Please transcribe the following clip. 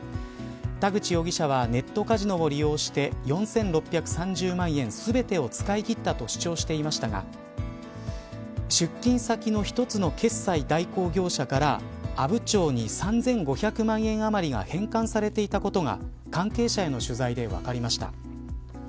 田口容疑者はネットカジノを利用して４６３０万円全てを使い切ったと主張していましたが出金先の一つの決済代行業者から阿武町に３５００万円余りが返還されていたことが関係者への取材で分かりました。